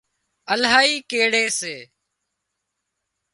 الاهي ڪيڙي سي